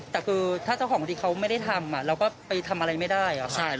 แต่คือถ้าเจ้าของบางทีเขาไม่ได้ทำเราก็ไปทำอะไรไม่ได้ค่ะ